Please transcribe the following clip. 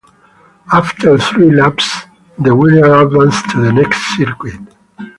After three laps the winner advances to the next circuit.